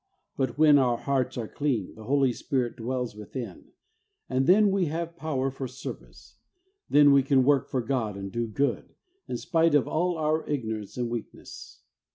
But when our hearts are clean, the Holy Spirit dwells within, and then we have power for service. Then we can work for God and do good, in spite of all our ignorance and weakness.